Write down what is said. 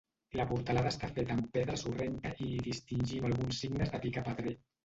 La portalada està feta amb pedra sorrenca i hi distingim alguns signes de picapedrer.